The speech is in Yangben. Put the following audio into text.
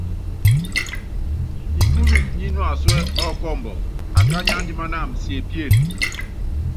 Nikúlu nínuásuɛ́ ɔkɔmbɔ, akányi andimánam siepíene.